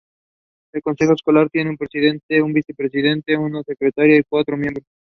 El consejo escolar tiene un presidente, un vicepresidente, un secretaria, y cuatro miembros.